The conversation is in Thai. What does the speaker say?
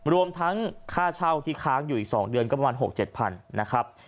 รวมทั้งค่าเช่าที่ค้างอยู่อีก๒เดือนก็ประมาณ๖๗๐๐นะครับ